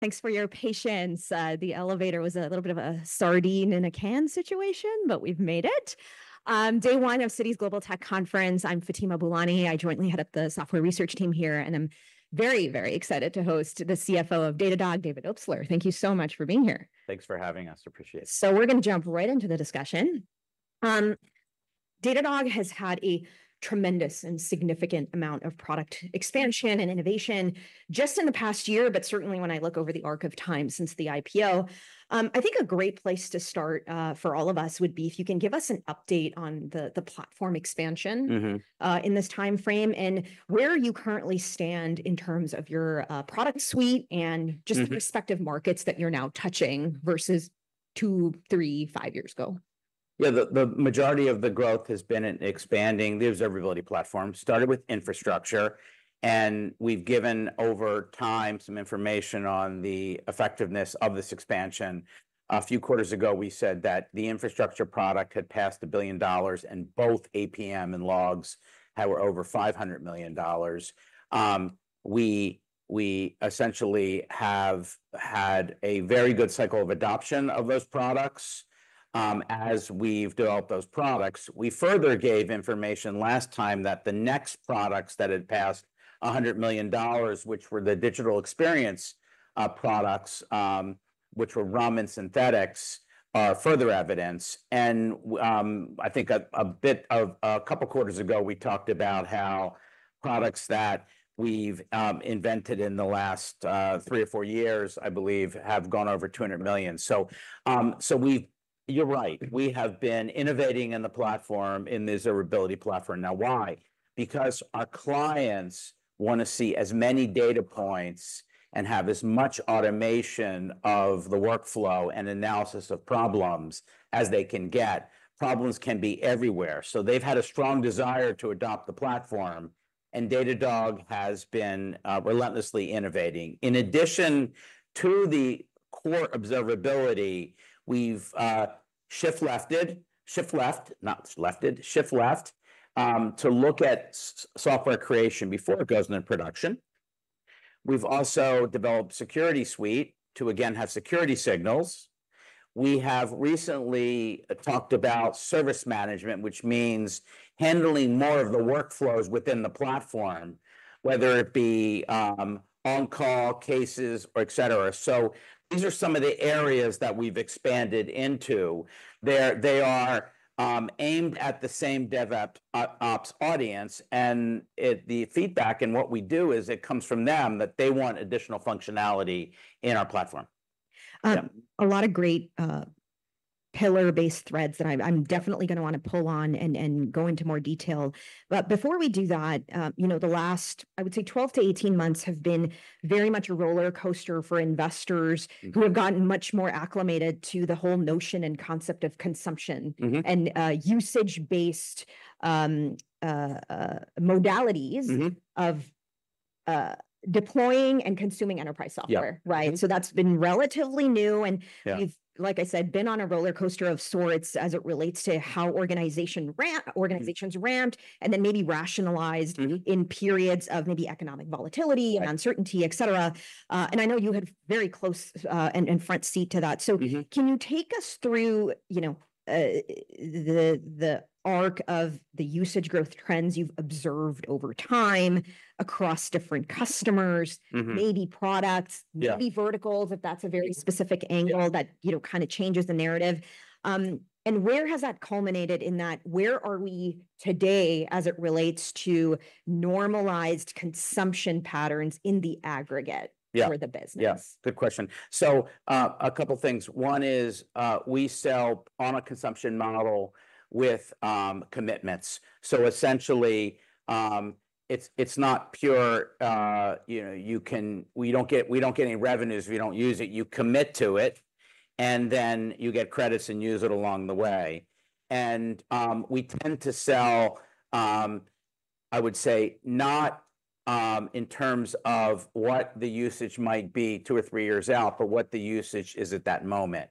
Thanks for your patience. The elevator was a little bit of a sardine in a can situation, but we've made it. Day one of Citi's Global Tech Conference. I'm Fatima Boolani. I jointly head up the software research team here, and I'm very, very excited to host the CFO of Datadog, David Obstler. Thank you so much for being here. Thanks for having us. Appreciate it. So we're gonna jump right into the discussion. Datadog has had a tremendous and significant amount of product expansion and innovation just in the past year, but certainly when I look over the arc of time since the IPO. I think a great place to start for all of us would be if you can give us an update on the platform expansion- Mm-hmm in this timeframe, and where you currently stand in terms of your product suite and- Mm-hmm just the prospective markets that you're now touching versus two, three, five years ago. Yeah, the majority of the growth has been in expanding the observability platform. Started with Infrastructure, and we've given, over time, some information on the effectiveness of this expansion. A few quarters ago, we said that the Infrastructure product had passed $1 billion, and both APM and Logs were over $500 million. We essentially have had a very good cycle of adoption of those products, as we've developed those products. We further gave information last time that the next products that had passed $100 million, which were the digital experience products, which were RUM and Synthetics, are further evidence. I think a bit, a couple quarters ago, we talked about how products that we've invented in the last three or four years, I believe, have gone over $200 million. You're right. We have been innovating in the platform, in the observability platform. Now, why? Because our clients wanna see as many data points and have as much automation of the workflow and analysis of problems as they can get. Problems can be everywhere, so they've had a strong desire to adopt the platform, and Datadog has been relentlessly innovating. In addition to the core observability, we've shift left to look at software creation before it goes into production. We've also developed Security Suite to, again, have security signals. We have recently talked about service management, which means handling more of the workflows within the platform, whether it be on-call cases, et cetera. So these are some of the areas that we've expanded into. They are aimed at the same DevOps audience, and the feedback and what we do is it comes from them, that they want additional functionality in our platform. Yeah. A lot of great pillar-based threads that I'm definitely gonna wanna pull on and go into more detail, but before we do that, you know, the last, I would say, twelve to eighteen months have been very much a roller coaster for investors- Mm-hmm... who have gotten much more acclimated to the whole notion and concept of consumption- Mm-hmm... and usage-based modalities- Mm-hmm... of deploying and consuming enterprise software. Yeah. Right? Mm-hmm. So that's been relatively new, and- Yeah... we've, like I said, been on a roller coaster of sorts, as it relates to how organization ra- Mm... organizations ramped, and then maybe rationalized- Mm-hmm... in periods of maybe economic volatility. Yeah... and uncertainty, et cetera, and I know you had very close and front seat to that. Mm-hmm. Can you take us through, you know, the arc of the usage growth trends you've observed over time across different customers? Mm-hmm. Maybe products- Yeah... maybe verticals, if that's a very specific angle- Yeah... that, you know, kinda changes the narrative, and where has that culminated in, where are we today as it relates to normalized consumption patterns in the aggregate- Yeah... for the business? Yeah, good question. So, a couple things. One is, we sell on a consumption model with commitments. So essentially, it's not pure, you know, we don't get any revenues if you don't use it. You commit to it, and then you get credits and use it along the way. And, we tend to sell, I would say, not in terms of what the usage might be two or three years out, but what the usage is at that moment.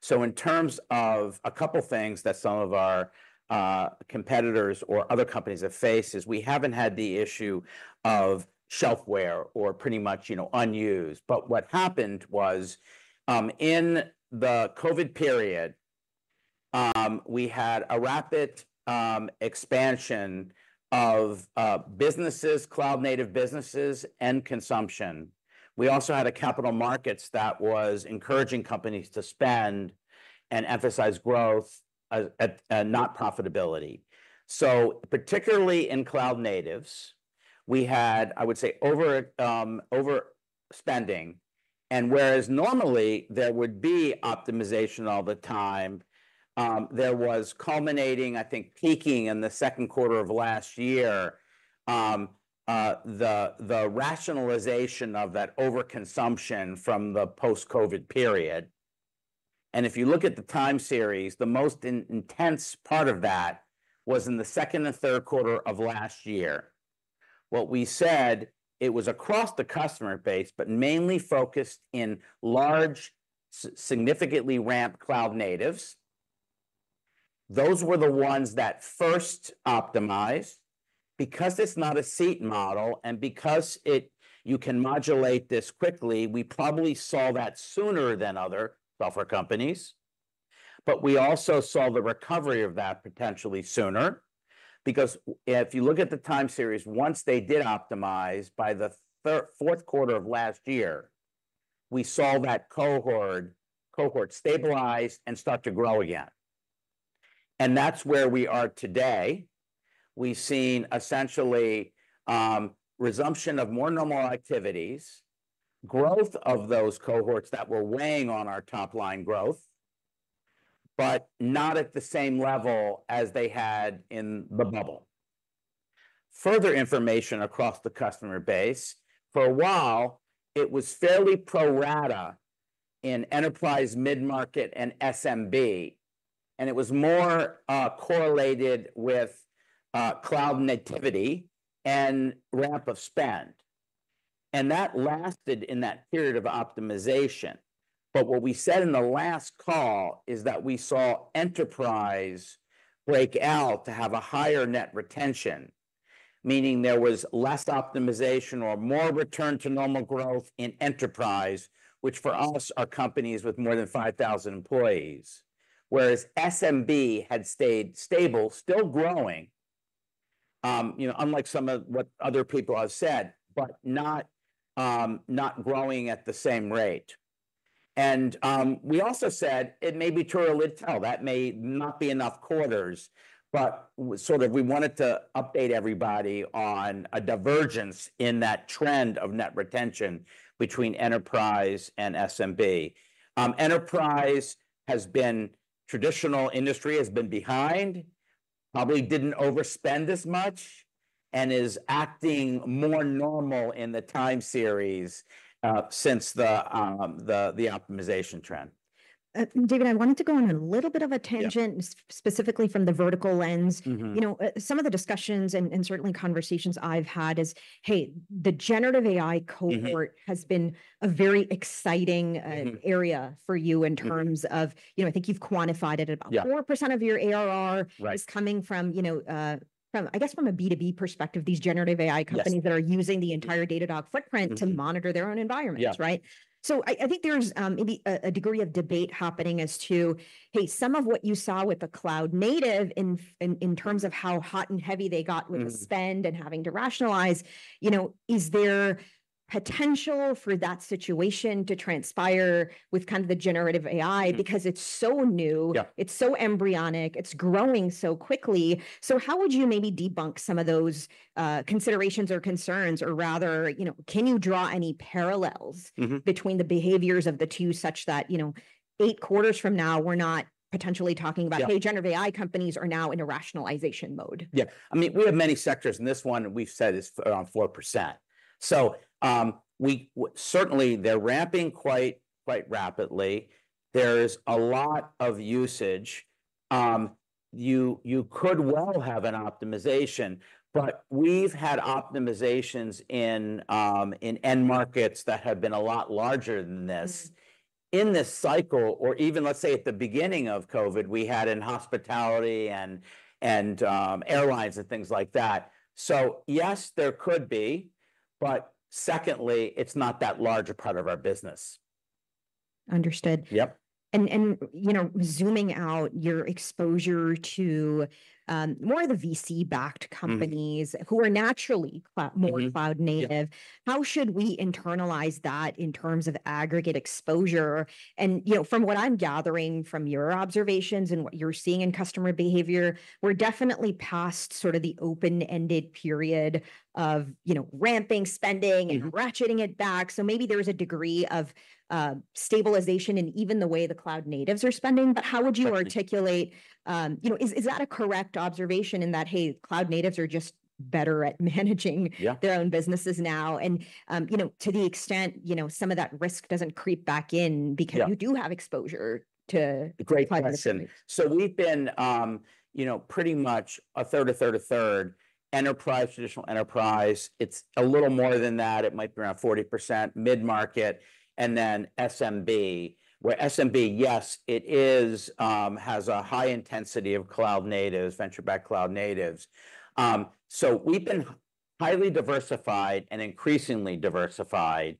So in terms of a couple things that some of our competitors or other companies have faced is we haven't had the issue of shelfware or pretty much, you know, unused. But what happened was, in the COVID period, we had a rapid expansion of businesses, cloud-native businesses, and consumption. We also had a capital markets that was encouraging companies to spend and emphasize growth at not profitability. So particularly in cloud natives, we had, I would say, overspending, and whereas normally there would be optimization all the time, there was culminating, I think, peaking in the second quarter of last year, the rationalization of that overconsumption from the post-Covid period. If you look at the time series, the most intense part of that was in the second and third quarter of last year. What we said, it was across the customer base, but mainly focused in large, significantly ramped cloud natives. Those were the ones that first optimized. Because it's not a seat model and because it, you can modulate this quickly, we probably saw that sooner than other software companies. But we also saw the recovery of that potentially sooner, because if you look at the time series, once they did optimize, by the third, fourth quarter of last year, we saw that cohort stabilize and start to grow again. And that's where we are today. We've seen essentially, resumption of more normal activities, growth of those cohorts that were weighing on our top-line growth, but not at the same level as they had in the bubble. Further information across the customer base, for a while, it was fairly pro rata in enterprise, mid-market, and SMB, and it was more, correlated with, cloud-native and ramp of spend, and that lasted in that period of optimization. But what we said in the last call is that we saw enterprise break out to have a higher net retention, meaning there was less optimization or more return to normal growth in enterprise, which, for us, are companies with more than 5,000 employees. Whereas SMB had stayed stable, still growing, you know, unlike some of what other people have said, but not growing at the same rate, and we also said it may be too little. That may not be enough quarters, but sort of we wanted to update everybody on a divergence in that trend of net retention between enterprise and SMB. Enterprise has been... Traditional industry has been behind, probably didn't overspend as much, and is acting more normal in the time series, since the optimization trend. David, I wanted to go on a little bit of a tangent- Yeah... specifically from the vertical lens. Mm-hmm. You know, some of the discussions and certainly conversations I've had is, hey, the generative AI cohort- Mm-hmm... has been a very exciting, Mm-hmm... area for you in terms- Mm-hmm... of, you know, I think you've quantified it. Yeah. About 4% of your ARR- Right... is coming from, you know, from, I guess, from a B2B perspective, these Generative AI companies- Yes... that are using the entire Datadog footprint- Mm-hmm... to monitor their own environments, right? Yeah. So I think there's maybe a degree of debate happening as to, hey, some of what you saw with the cloud-native in terms of how hot and heavy they got- Mm-hmm... with the spend and having to rationalize, you know, is there potential for that situation to transpire with kind of the generative AI? Mm. Because it's so new- Yeah... it's so embryonic, it's growing so quickly. So how would you maybe debunk some of those considerations or concerns, or rather, you know, can you draw any parallels- Mm-hmm... between the behaviors of the two, such that, you know, eight quarters from now, we're not potentially talking about- Yeah... "Hey, generative AI companies are now in a rationalization mode? Yeah, I mean, we have many sectors, and this one we've said is 4%. So, certainly they're ramping quite, quite rapidly. There is a lot of usage. You could well have an optimization, but we've had optimizations in end markets that have been a lot larger than this. Mm-hmm. In this cycle, or even, let's say, at the beginning of COVID, we had in hospitality and airlines and things like that. So yes, there could be, but secondly, it's not that large a part of our business. Understood. Yep. You know, zooming out, your exposure to more of the VC-backed companies- Mm... who are naturally Mm-hmm... more cloud-native. Yeah. How should we internalize that in terms of aggregate exposure? And, you know, from what I'm gathering from your observations and what you're seeing in customer behavior, we're definitely past sort of the open-ended period of, you know, ramping spending- Mm-hmm... and ratcheting it back. So maybe there is a degree of stabilization in even the way the cloud natives are spending. Exactly. But how would you articulate, you know, is that a correct observation in that, hey, cloud natives are just better at managing... Yeah... their own businesses now? And, you know, to the extent, you know, some of that risk doesn't creep back in- Yeah... because you do have exposure to- Great question... cloud-native. So we've been, you know, pretty much a third enterprise, traditional enterprise. It's a little more than that. It might be around 40% mid-market, and then SMB, where it has a high intensity of cloud natives, venture-backed cloud natives. So we've been highly diversified and increasingly diversified.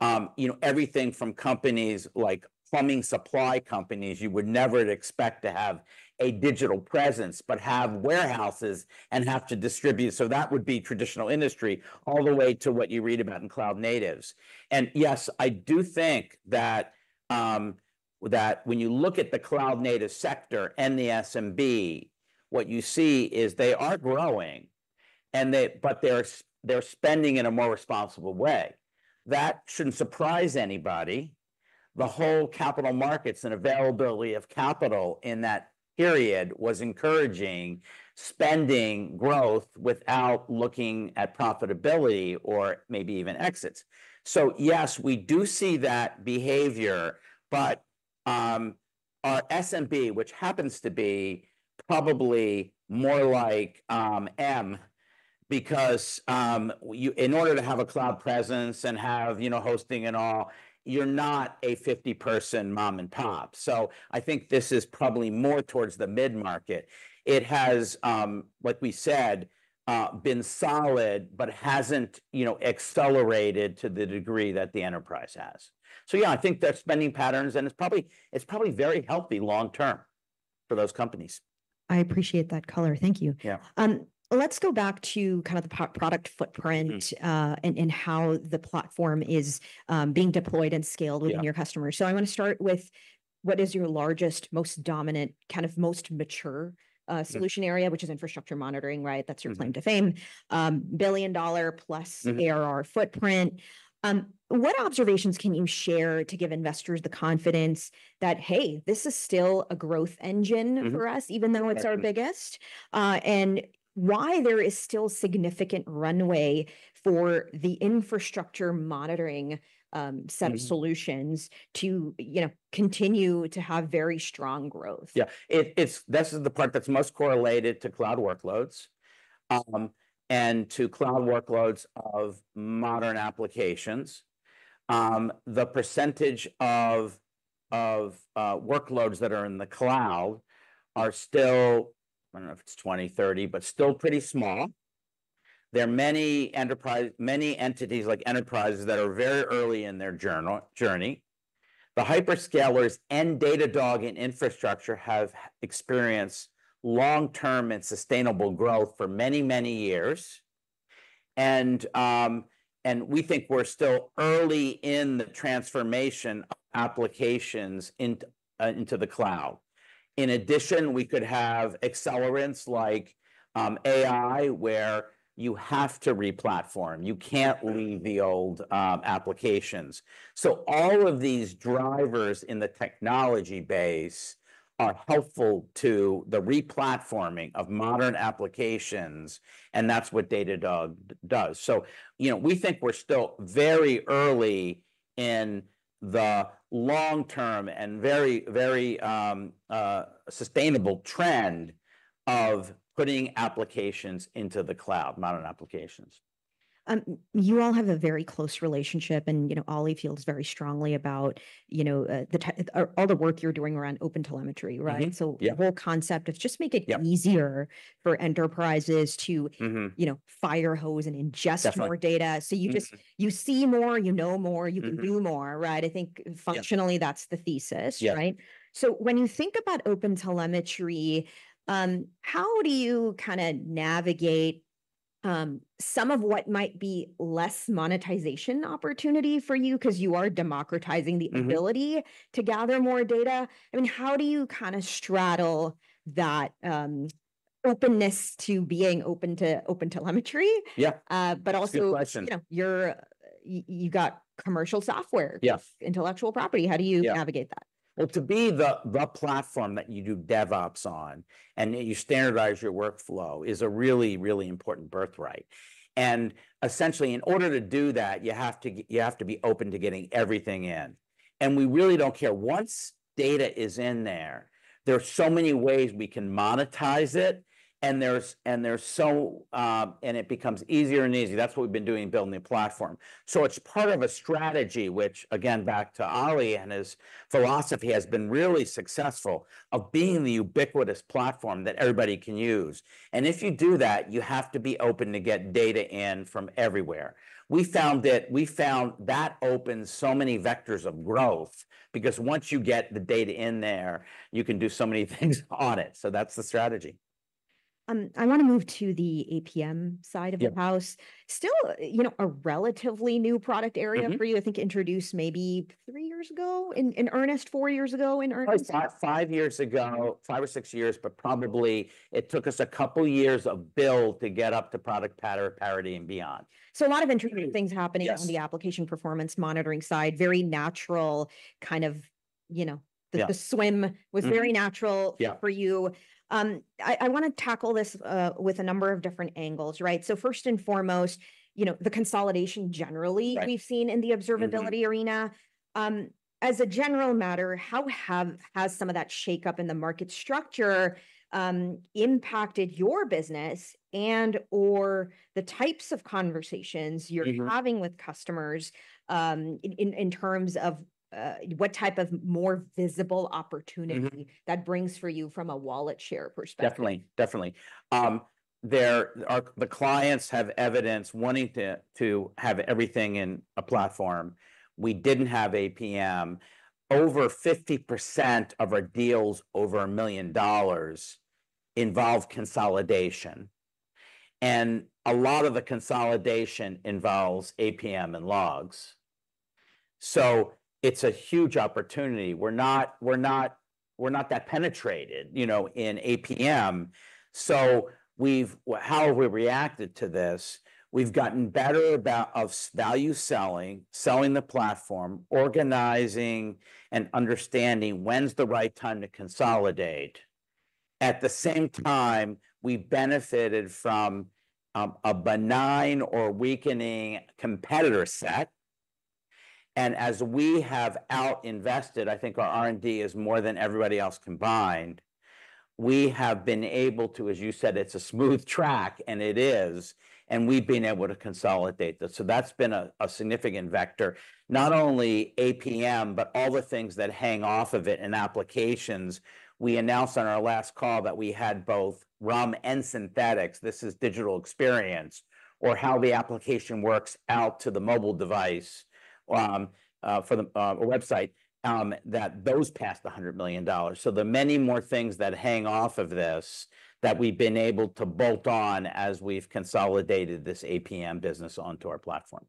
You know, everything from companies like plumbing supply companies you would never expect to have a digital presence, but have warehouses and have to distribute, so that would be traditional industry, all the way to what you read about in cloud natives. And yes, I do think that when you look at the cloud native sector and the SMB, what you see is they are growing, but they're spending in a more responsible way. That shouldn't surprise anybody. The whole capital markets and availability of capital in that period was encouraging spending growth without looking at profitability or maybe even exits. So yes, we do see that behavior, but, our SMB, which happens to be probably more like, because, you, in order to have a cloud presence and have, you know, hosting and all, you're not a fifty-person mom and pop. So I think this is probably more towards the mid-market. It has, like we said, been solid but hasn't, you know, accelerated to the degree that the enterprise has. So yeah, I think that's spending patterns, and it's probably very healthy long-term for those companies. I appreciate that color. Thank you. Yeah. Let's go back to kind of the product footprint- Mm... and how the platform is being deployed and scaled. Yeah within your customers. So I wanna start with what is your largest, most dominant, kind of most mature Yeah Solution area, which is infrastructure monitoring, right? Mm-hmm. That's your claim to fame. Billion-dollar plus- Mm - ARR footprint. What observations can you share to give investors the confidence that, "Hey, this is still a growth engine for us- Mm-hmm - even though it's our biggest? And why there is still significant runway for the infrastructure monitoring, set- Mm of solutions to, you know, continue to have very strong growth? Yeah, it's this is the part that's most correlated to cloud workloads, and to cloud workloads of modern applications. The percentage of workloads that are in the cloud are still, I don't know if it's 20, 30, but still pretty small. There are many entities like enterprises that are very early in their journey. The hyperscalers and Datadog and infrastructure have experienced long-term and sustainable growth for many, many years, and we think we're still early in the transformation of applications into the cloud. In addition, we could have accelerants like AI, where you have to re-platform. You can't leave the old applications. So all of these drivers in the technology base are helpful to the re-platforming of modern applications, and that's what Datadog does. So, you know, we think we're still very early in the long-term and very, very, sustainable trend of putting applications into the cloud, modern applications. You all have a very close relationship, and, you know, Oli feels very strongly about, you know, all the work you're doing around OpenTelemetry, right? Mm-hmm. Yeah. So the whole concept of just make it- Yeah Easier for enterprises to- Mm-hmm... you know, firehose and ingest- Definitely - More data. Mm-hmm. So you just, you see more, you know more- Mm-hmm... you can do more, right? I think functionally- Yeah That's the thesis. Yeah. Right? So when you think about OpenTelemetry, how do you kinda navigate some of what might be less monetization opportunity for you? 'Cause you are democratizing the ability- Mm-hmm... to gather more data. I mean, how do you kinda straddle that, openness to being open to OpenTelemetry- Yeah... but also- Good question... you know, you're, you've got commercial software- Yeah - intellectual property. Yeah. How do you navigate that? To be the platform that you do DevOps on, and you standardize your workflow, is a really, really important birthright. Essentially, in order to do that, you have to be open to getting everything in, and we really don't care. Once data is in there, there are so many ways we can monetize it, and there's so. It becomes easier and easier. That's what we've been doing building the platform. It's part of a strategy, which again, back to Oli and his philosophy, has been really successful of being the ubiquitous platform that everybody can use, and if you do that, you have to be open to get data in from everywhere. We found that opens so many vectors of growth because once you get the data in there, you can do so many things on it, so that's the strategy. I wanna move to the APM side of the house. Yeah. Still, you know, a relatively new product area- Mm-hmm for you. I think introduced maybe three years ago, in earnest, four years ago, in earnest? Probably five, five years ago. Five or six years, but probably it took us a couple years of build to get up to product parity and beyond. A lot of interesting things happening- Yes... on the Application Performance Monitoring side. Very natural, kind of, you know- Yeah... the swim- Mm-hmm... was very natural- Yeah... for you. I wanna tackle this with a number of different angles, right? So first and foremost, you know, the consolidation generally- Right... we've seen in the observability arena. Mm-hmm. As a general matter, how has some of that shake-up in the market structure impacted your business and/or the types of conversations- Mm-hmm... you're having with customers, in terms of what type of more visible opportunity- Mm-hmm... that brings for you from a wallet share perspective? Definitely, definitely. There are the clients have evidenced wanting to have everything in a platform. We didn't have APM. Over 50% of our deals over $1 million involve consolidation, and a lot of the consolidation involves APM and logs. So it's a huge opportunity. We're not that penetrated, you know, in APM, so we've how we reacted to this, we've gotten better about of value selling, selling the platform, organizing and understanding when's the right time to consolidate. At the same time, we've benefited from a benign or weakening competitor set and as we have out-invested, I think our R&D is more than everybody else combined, we have been able to, as you said, it's a smooth track, and it is, and we've been able to consolidate this. So that's been a significant vector. Not only APM, but all the things that hang off of it in applications. We announced on our last call that we had both RUM and synthetics. This is digital experience, or how the application works out to the mobile device, for the website, that those passed $100 million. So there are many more things that hang off of this that we've been able to bolt on as we've consolidated this APM business onto our platform.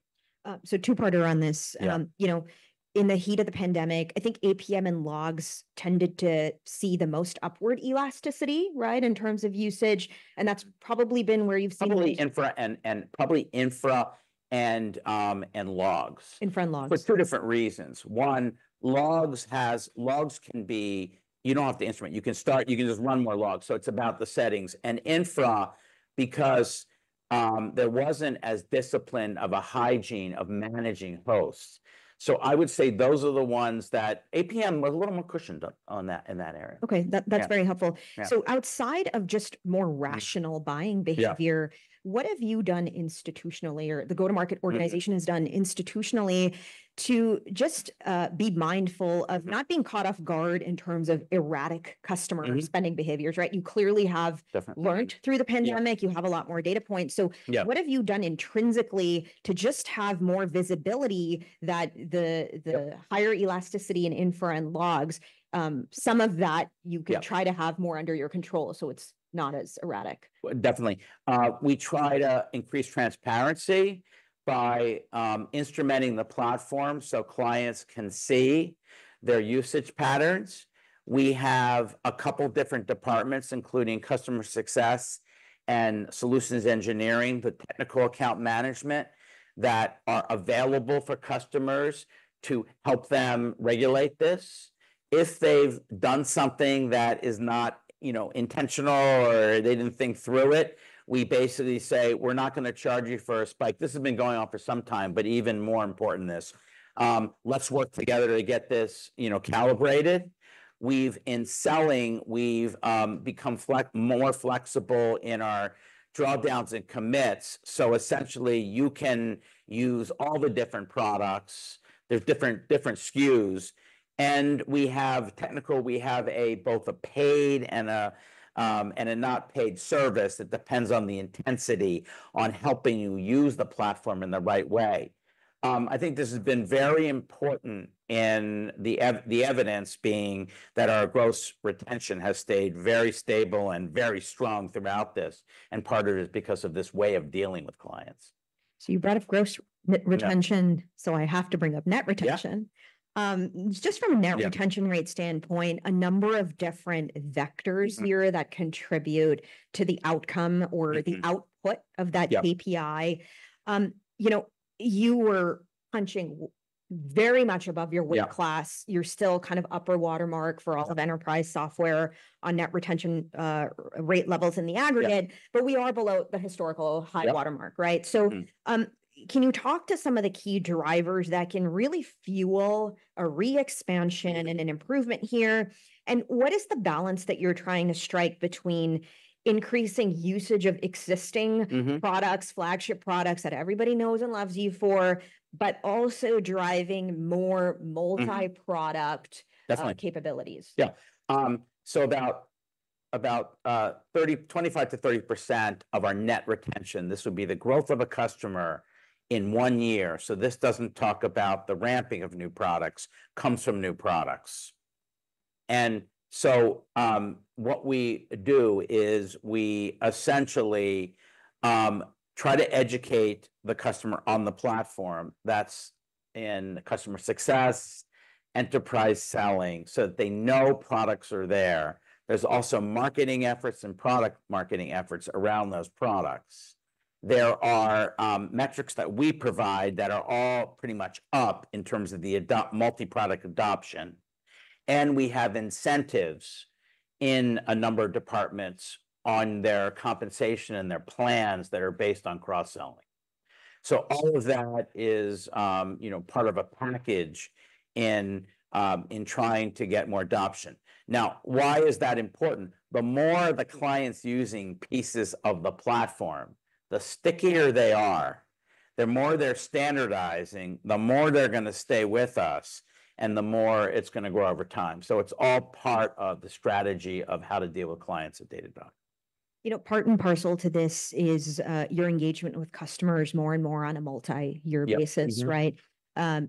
So two-parter on this. Yeah. You know, in the heat of the pandemic, I think APM and logs tended to see the most upward elasticity, right, in terms of usage, and that's probably been where you've seen- Probably infra and logs. Infra and logs. For two different reasons. One, logs can be. You don't have to instrument. You can start, you can just run more logs, so it's about the settings. And infra because there wasn't as disciplined a hygiene of managing hosts. So I would say those are the ones that APM was a little more cushioned on that, in that area. Okay. That- Yeah... that's very helpful. Yeah. So outside of just more rational buying behavior- Yeah ... what have you done institutionally, or the go-to-market organization- Mm-hmm... has done institutionally to just, be mindful of- Mm... not being caught off guard in terms of erratic customer- Mm-hmm... spending behaviors, right? You clearly have- Definitely... learned through the pandemic. Yeah. You have a lot more data points, so- Yeah... what have you done intrinsically to just have more visibility that the- Yep... higher elasticity in infra and logs, some of that- Yeah... you can try to have more under your control, so it's not as erratic? Definitely. We try to increase transparency by instrumenting the platform so clients can see their usage patterns. We have a couple different departments, including customer success and solutions engineering, the technical account management, that are available for customers to help them regulate this. If they've done something that is not, you know, intentional or they didn't think through it, we basically say: "We're not gonna charge you for a spike." This has been going on for some time, but even more important this: "Let's work together to get this, you know, calibrated." We've, in selling, we've become more flexible in our drawdowns and commits, so essentially, you can use all the different products. There's different SKUs, and we have technical. We have both a paid and a not paid service. It depends on the intensity on helping you use the platform in the right way. I think this has been very important, and the evidence being that our gross retention has stayed very stable and very strong throughout this, and part of it is because of this way of dealing with clients. So you brought up gross retention- Yeah... so I have to bring up Net Retention. Yeah. Just from a net- Yeah... retention rate standpoint, a number of different vectors here- Mm... that contribute to the outcome or- Mm-hmm... the output of that- Yeah... KPI. You know, you were punching very much above your weight class. Yeah. You're still kind of upper watermark for all of enterprise software on Net Retention rate levels in the aggregate- Yeah... but we are below the historical high watermark- Yeah... right? Mm-hmm. Can you talk to some of the key drivers that can really fuel a re-expansion and an improvement here? And what is the balance that you're trying to strike between increasing usage of existing- Mm-hmm... products, flagship products, that everybody knows and loves you for, but also driving more multi-product- Mm-hmm. Definitely... capabilities? Yeah. So about 25%-30% of our net retention, this would be the growth of a customer in one year, so this doesn't talk about the ramping of new products, comes from new products. And so, what we do is we essentially try to educate the customer on the platform. That's in customer success, enterprise selling, so that they know products are there. There's also marketing efforts and product marketing efforts around those products. There are metrics that we provide that are all pretty much up in terms of the multi-product adoption, and we have incentives in a number of departments on their compensation and their plans that are based on cross-selling. So all of that is, you know, part of a package in trying to get more adoption. Now, why is that important? The more the client's using pieces of the platform, the stickier they are, the more they're standardizing, the more they're gonna stay with us, and the more it's gonna grow over time. So it's all part of the strategy of how to deal with clients at Datadog. You know, part and parcel to this is, your engagement with customers more and more on a multi-year basis- Yeah. Mm-hmm... right?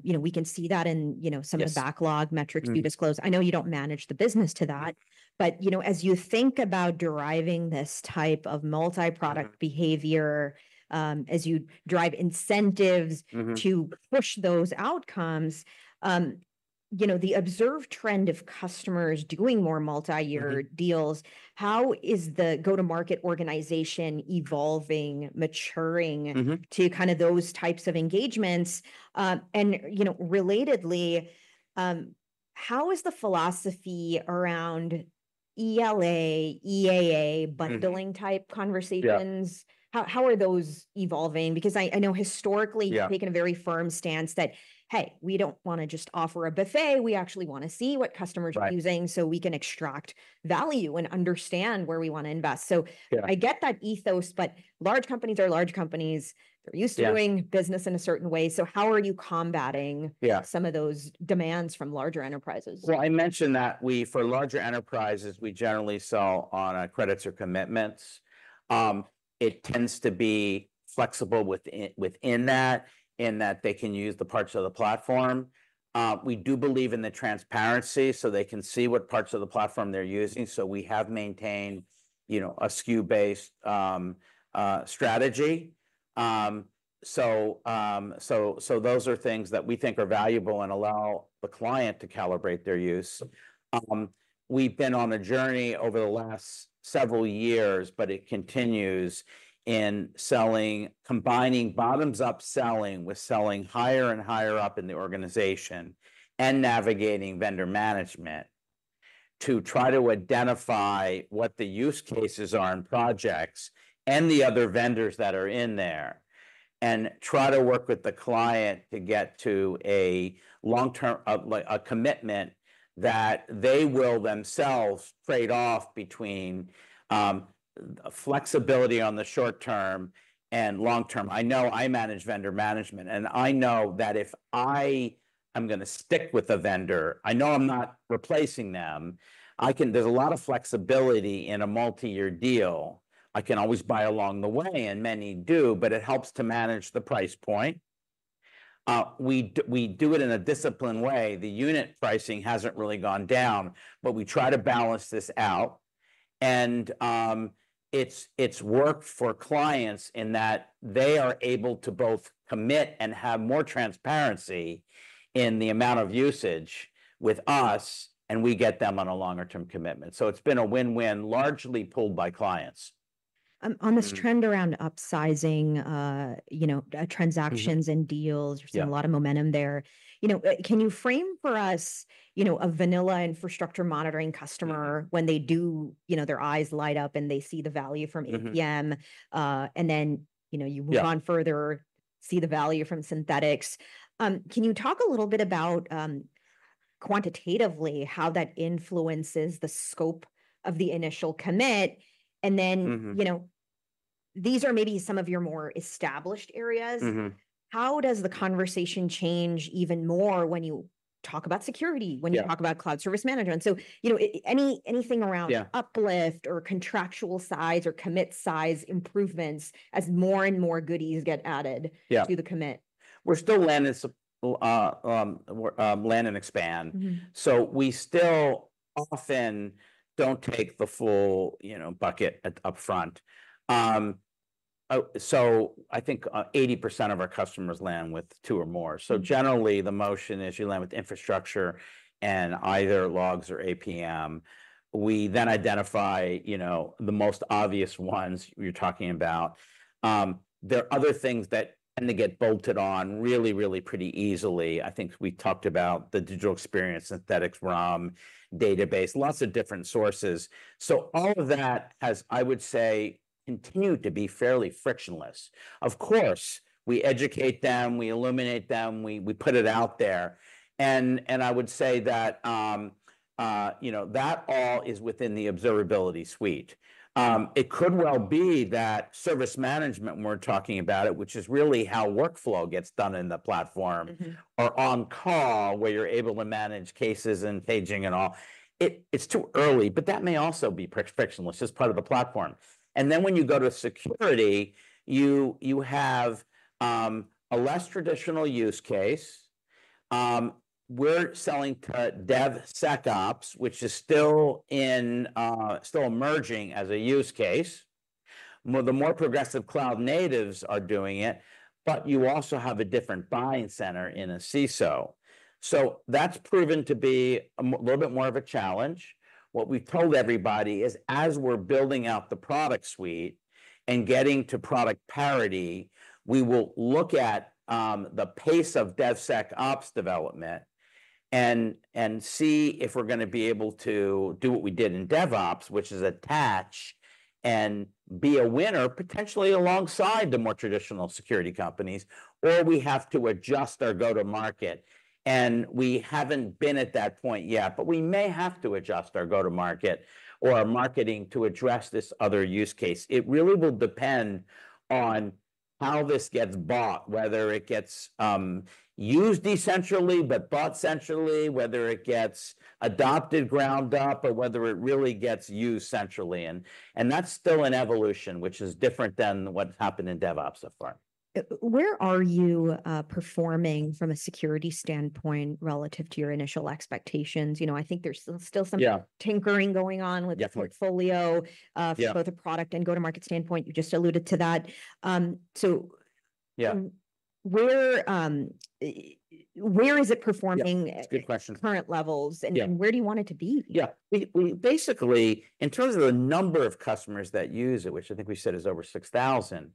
You know, we can see that in, you know, some of the- Yes... backlog metrics you disclose. Mm. I know you don't manage the business to that, but, you know, as you think about deriving this type of multi-product- Mm... behavior, as you derive incentives- Mm-hmm... to push those outcomes, you know, the observed trend of customers doing more multi-year- Mm-hmm... deals, how is the go-to-market organization evolving, maturing- Mm-hmm... to kinda those types of engagements? And, you know, relatedly, how is the philosophy around ELA? Mm-hmm Bundling type conversations? Yeah. How are those evolving? Because I know historically- Yeah You've taken a very firm stance that, "Hey, we don't wanna just offer a buffet. We actually wanna see what customers- Right are using, so we can extract value and understand where we wanna invest. Yeah... I get that ethos, but large companies are large companies. They're used to- Yeah doing business in a certain way. So how are you combating? Yeah some of those demands from larger enterprises? Well, I mentioned that we, for larger enterprises, we generally sell on credits or commitments. It tends to be flexible within that, in that they can use the parts of the platform. We do believe in the transparency, so they can see what parts of the platform they're using, so we have maintained, you know, a SKU-based strategy. So those are things that we think are valuable and allow the client to calibrate their use. We've been on a journey over the last several years, but it continues in selling, combining bottoms-up selling with selling higher and higher up in the organization, and navigating vendor management, to try to identify what the use cases are in projects and the other vendors that are in there. Try to work with the client to get to a long-term, like a commitment that they will themselves trade off between flexibility on the short term and long term. I know I manage vendor management, and I know that if I am gonna stick with a vendor, I know I'm not replacing them. I can. There's a lot of flexibility in a multi-year deal. I can always buy along the way, and many do, but it helps to manage the price point. We do it in a disciplined way. The unit pricing hasn't really gone down, but we try to balance this out, and it's worked for clients in that they are able to both commit and have more transparency in the amount of usage with us, and we get them on a longer-term commitment. So it's been a win-win, largely pulled by clients. On this- Mm... trend around upsizing, you know, transactions- Mm-hmm -and deals- Yeah -we're seeing a lot of momentum there. You know, can you frame for us, you know, a vanilla infrastructure monitoring customer- Mm-hmm when they do, you know, their eyes light up, and they see the value from APM Mm-hmm and then, you know, you move- Yeah upon further, see the value from Synthetics. Can you talk a little bit about, quantitatively, how that influences the scope of the initial commit? And then- Mm-hmm... you know, these are maybe some of your more established areas. Mm-hmm. How does the conversation change even more when you talk about security? Yeah... when you talk about cloud service management? So, you know, anything around- Yeah uplift or contractual size or commit size improvements as more and more goodies get added Yeah to the commit? We're still land and expand. Mm-hmm. We still often don't take the full, you know, bucket upfront. I think 80% of our customers land with two or more. Mm-hmm. So generally, the motion is you land with infrastructure and either logs or APM. We then identify, you know, the most obvious ones you're talking about. There are other things that tend to get bolted on really, really pretty easily. I think we talked about the digital experience, Synthetics, RUM, database, lots of different sources. So all of that, as I would say, continued to be fairly frictionless. Of course, we educate them, we illuminate them, we put it out there, and I would say that, you know, that all is within the observability suite. It could well be that service management, we're talking about it, which is really how workflow gets done in the platform- Mm-hmm... or on call, where you're able to manage cases and paging and all. It's too early, but that may also be frictionless as part of the platform. And then when you go to security, you have a less traditional use case. We're selling to DevSecOps, which is still emerging as a use case. The more progressive cloud natives are doing it, but you also have a different buying center in a CISO. So that's proven to be a little bit more of a challenge. What we've told everybody is, as we're building out the product suite and getting to product parity, we will look at the pace of DevSecOps development and see if we're gonna be able to do what we did in DevOps, which is attach and be a winner, potentially alongside the more traditional security companies, or we have to adjust our go-to-market, and we haven't been at that point yet, but we may have to adjust our go-to-market or our marketing to address this other use case. It really will depend on how this gets bought, whether it gets used essentially but bought centrally, whether it gets adopted ground up, or whether it really gets used centrally, and that's still an evolution, which is different than what's happened in DevOps so far. Where are you performing from a security standpoint relative to your initial expectations? You know, I think there's still some- Yeah... tinkering going on with- Yeah, sure -the portfolio- Yeah from both a product and go-to-market standpoint. You just alluded to that. so- Yeah... where is it performing? Yeah, it's a good question. Current levels- Yeah... and where do you want it to be? Yeah. We, we basically, in terms of the number of customers that use it, which I think we said is over six thousand,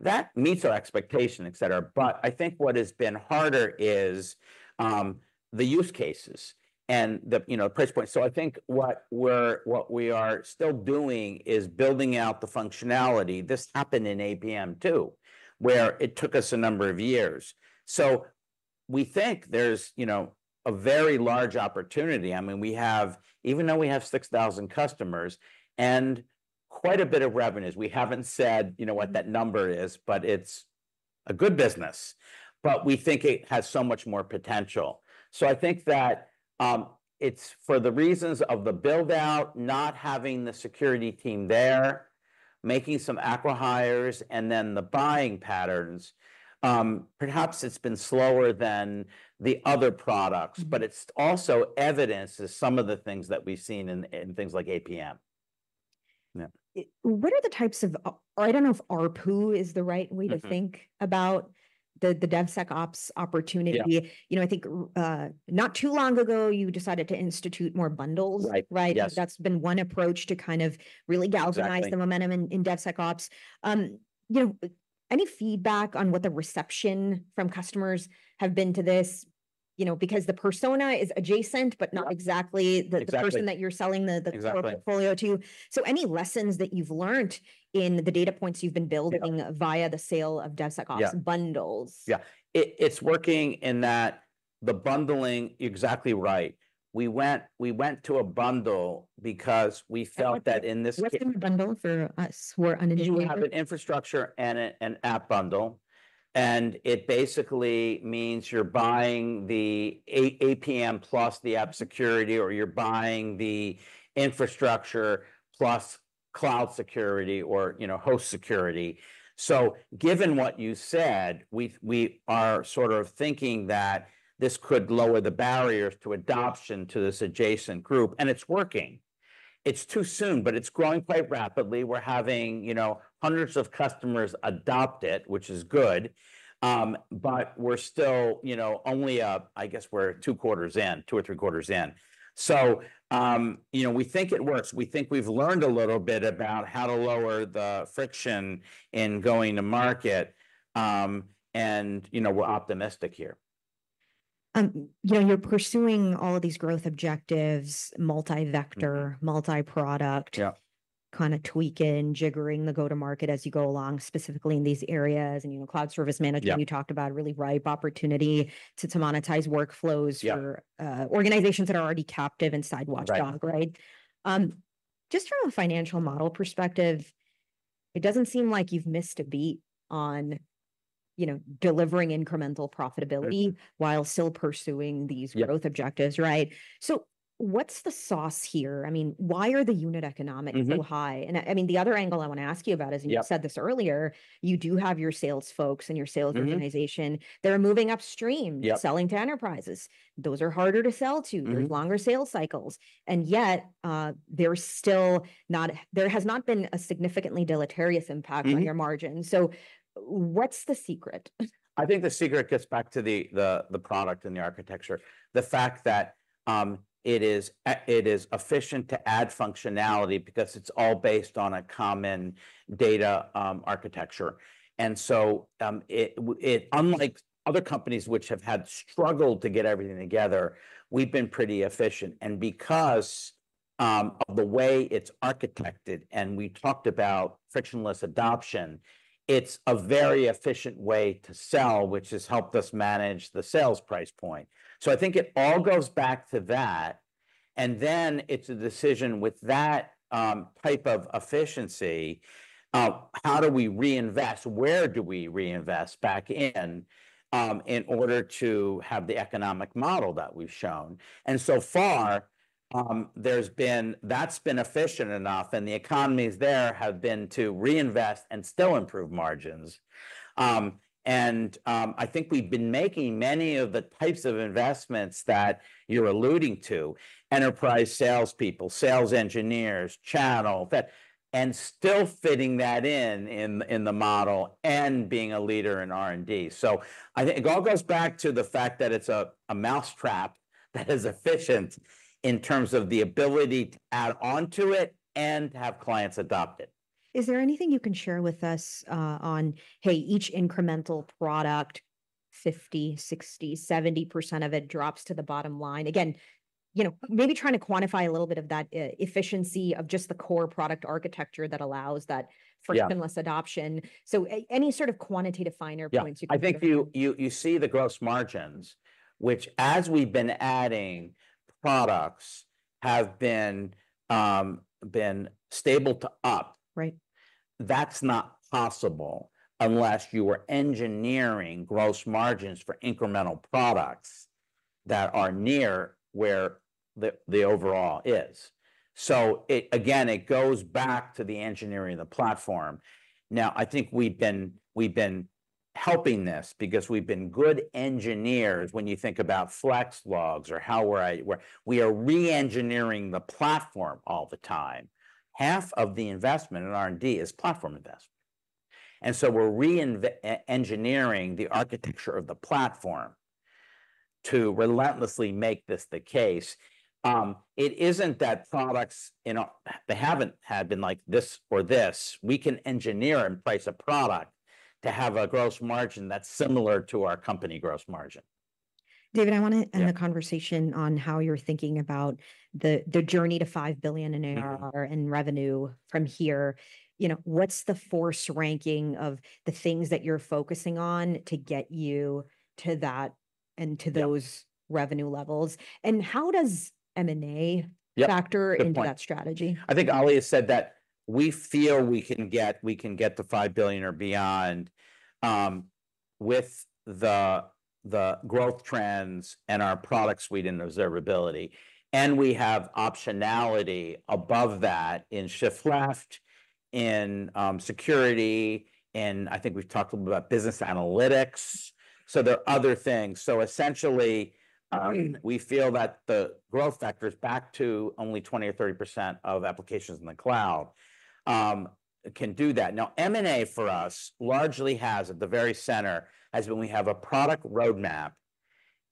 that meets our expectation, et cetera. But I think what has been harder is the use cases and the, you know, price point. So I think what we're, what we are still doing is building out the functionality. This happened in APM, too, where it took us a number of years. So we think there's, you know, a very large opportunity. I mean, we have even though we have six thousand customers and quite a bit of revenues, we haven't said, you know, what that number is, but it's a good business. But we think it has so much more potential. So I think that it's for the reasons of the build-out, not having the security team there, making some acqui-hires, and then the buying patterns. Perhaps it's been slower than the other products- Mm-hmm. But it's also evidence to some of the things that we've seen in things like APM. Yeah. What are the types of... I don't know if ARPU is the right way- Mm-hmm... to think about the DevSecOps opportunity. Yeah. You know, I think, not too long ago, you decided to institute more bundles- Right. Right? Yes. That's been one approach to kind of really galvanize- Exactly... the momentum in DevSecOps. You know, any feedback on what the reception from customers have been to this? You know, because the persona is adjacent, but not exactly- Exactly... the person that you're selling the Exactly... core portfolio to. So any lessons that you've learned in the data points you've been building- Yeah... via the sale of DevSecOps bundles? Yeah. It's working in that the bundling, exactly right. We went to a bundle because we felt that in this- What's the bundle for us who are uninitiated? You have an infrastructure and an app bundle, and it basically means you're buying the APM plus the app security, or you're buying the infrastructure plus cloud security or, you know, host security. So given what you said, we are sort of thinking that this could lower the barriers to adoption- Yeah... to this adjacent group, and it's working. It's too soon, but it's growing quite rapidly. We're having, you know, hundreds of customers adopt it, which is good, but we're still, you know, only up. I guess we're two quarters in, two or three quarters in, so you know, we think it works. We think we've learned a little bit about how to lower the friction in going to market, and you know, we're optimistic here. You know, you're pursuing all of these growth objectives, multi-vector- Mm-hmm... multi-product- Yeah... kind of tweaking, jiggering the go-to-market as you go along, specifically in these areas, and, you know, cloud service management- Yeah... you talked about a really ripe opportunity to monetize workflows- Yeah... for organizations that are already captive in Datadog, right? Right. Just from a financial model perspective, it doesn't seem like you've missed a beat on, you know, delivering incremental profitability- Mm... while still pursuing these- Yeah... growth objectives, right? So what's the sauce here? I mean, why are the unit economics- Mm-hmm... so high? And, I mean, the other angle I want to ask you about is- Yeah... you said this earlier, you do have your sales folks and your sales organization- Mm-hmm... that are moving upstream- Yeah... selling to enterprises. Those are harder to sell to. Mm-hmm. There's longer sales cycles, and yet, there has not been a significantly deleterious impact. Mm-hmm... on your margins. So what's the secret? I think the secret gets back to the product and the architecture. The fact that it is efficient to add functionality because it's all based on a common data architecture. And so, unlike other companies which have struggled to get everything together, we've been pretty efficient. And because of the way it's architected, and we talked about frictionless adoption, it's a very efficient way to sell, which has helped us manage the sales price point. So I think it all goes back to that, and then it's a decision with that type of efficiency, how do we reinvest, where do we reinvest back in, in order to have the economic model that we've shown? And so far, there's been that's been efficient enough, and the economies there have been to reinvest and still improve margins. And, I think we've been making many of the types of investments that you're alluding to: enterprise salespeople, sales engineers, channel, that, and still fitting that in the model and being a leader in R&D. So I think it all goes back to the fact that it's a mousetrap that is efficient in terms of the ability to add on to it and have clients adopt it. Is there anything you can share with us on each incremental product, 50%, 60%, 70% of it drops to the bottom line? Again, you know, maybe trying to quantify a little bit of that efficiency of just the core product architecture that allows that- Yeah... frictionless adoption. So any sort of quantitative finer points you can- Yeah, I think if you see the gross margins, which, as we've been adding products, have been stable to up- Right... that's not possible unless you are engineering gross margins for incremental products that are near where the overall is. So it again goes back to the engineering of the platform. Now, I think we've been helping this because we've been good engineers, when you think about Flex Logs or how we're re-engineering the platform all the time. Half of the investment in R&D is platform investment, and so we're re-engineering the architecture of the platform to relentlessly make this the case. It isn't that products, they haven't had been like this or this. We can engineer and price a product to have a gross margin that's similar to our company gross margin.... David, I wanna end the conversation on how you're thinking about the journey to $5 billion in ARR- Mm-hmm -in revenue from here. You know, what's the force ranking of the things that you're focusing on to get you to that and to those- Yeah revenue levels? And how does M&A- Yep factor into that strategy? Good point. I think Oli has said that we feel we can get to $5 billion or beyond with the growth trends and our product suite in observability, and we have optionality above that in shift left, in security. I think we've talked about business analytics, so there are other things. So essentially, we feel that the growth factors back to only 20% or 30% of applications in the cloud can do that. Now, M&A, for us, largely has at the very center when we have a product roadmap,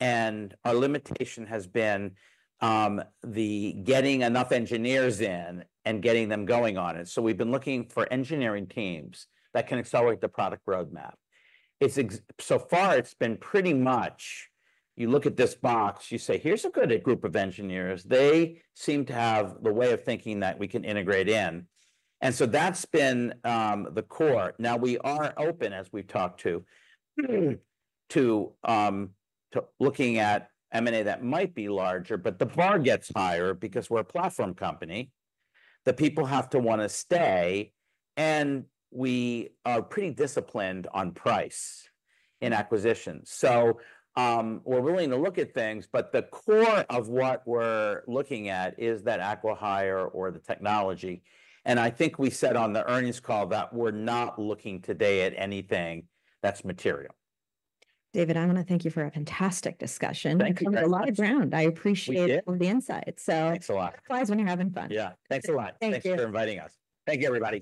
and our limitation has been the getting enough engineers in and getting them going on it. So we've been looking for engineering teams that can accelerate the product roadmap. So far, it's been pretty much you look at this box, you say, "Here's a good group of engineers. They seem to have the way of thinking that we can integrate in," and so that's been the core. Now, we are open, as we've talked to, to looking at M&A that might be larger, but the bar gets higher because we're a platform company. The people have to wanna stay, and we are pretty disciplined on price in acquisitions. So, we're willing to look at things, but the core of what we're looking at is that acqui-hire or the technology, and I think we said on the earnings call that we're not looking today at anything that's material. David, I wanna thank you for a fantastic discussion. Thank you. You covered a lot of ground. I appreciate- We did... all the insights, so- Thanks a lot. It flies when you're having fun. Yeah. Thanks a lot. Thank you. Thanks for inviting us. Thank you, everybody.